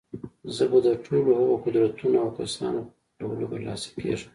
زه به د ټولو هغو قدرتونو او کسانو په خپلولو برلاسي کېږم.